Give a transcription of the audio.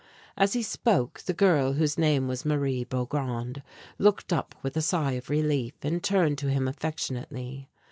As he spoke the girl, whose name was Marie Beaugrand, looked up with a sigh of relief, and turned to him affectionately.